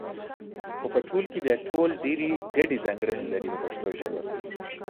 خو په ټول کې بیا ټول ډېرې ګډې ځانګړنې لري په پښتو ژبه.